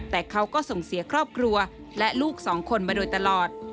แต่เขาก็ส่งเสียครอบครัวและลูกสองคนมาโดยตลอด